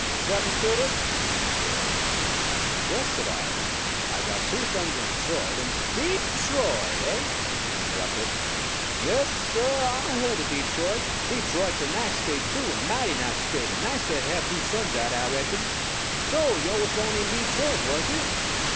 "Got any children?" he queried. "Yes," said I, "I've got two sons in Detroit, and " "Dee troit, eh?" he interrupted. "Yaas, suh, Ah've heerd o' Dee troit. Dee troit's a nice State too a mighty nice State a nice State to have two sons at, Ah reckon. So yo' was born in Dee troit, was yuh?"